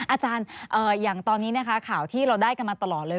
อาจารย์อย่างตอนนี้นะคะข่าวที่เราได้กันมาตลอดเลย